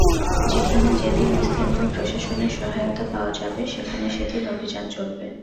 যেখানে যেদিন স্থানীয় প্রশাসনের সহায়তা পাওয়া যাবে, সেখানে সেদিন অভিযান চলবে।